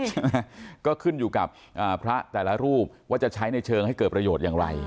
ใช่ไหมก็ขึ้นอยู่กับอ่าพระแต่ละรูปว่าจะใช้ในเชิงให้เกิดประโยชน์อย่างไร